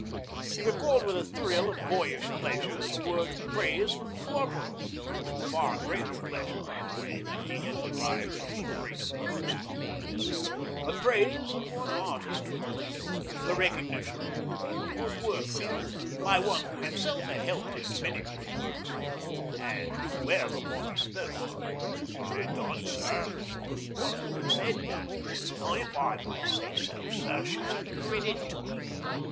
He recalled with a thrill of boyish pleasure the word of praise from the Corporal a far greater pleasure, by the way, than he had derived from the Great One's compliments the praise of one artist to another, the recognition of good work done, by one who himself had helped in many good works and knew well of what he spoke. 'She's done, sir,' the Corporal had said. 'And if I may say so, sir, she's a credit to you.